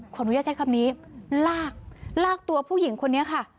ขออนุญาตใช้คำนี้ลากลากตัวผู้หญิงคนนี้ค่ะ